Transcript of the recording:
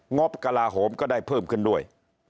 บกระลาโหมก็ได้เพิ่มขึ้นด้วย